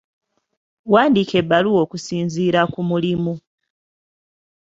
Wandiika ebbaluwa okusinziira ku mulimu.